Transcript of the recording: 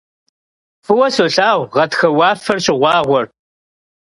F'ıue solhağur ğatxepe vuafer şığuağuer.